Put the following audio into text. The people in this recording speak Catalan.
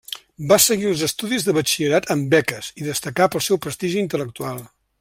Va seguir els estudis de batxillerat amb beques, i destacà pel seu prestigi intel·lectual.